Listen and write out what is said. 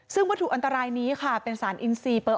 ซึ่งวัตถุอันตรายนี้ค่ะเป็นสารอินซีเปอร์